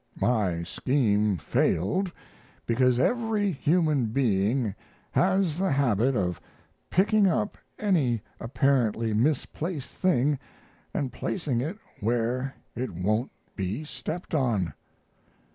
My scheme failed because every human being has the habit of picking up any apparently misplaced thing & placing it where it won't be stepped on.